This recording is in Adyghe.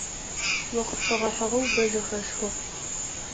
О къыпфэгъэхьыгъэу бэ зэхэсхыгъ.